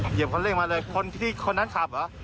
เหยียบเครื่องเร็งมาเลยคนที่คนนั้นขับเหรอ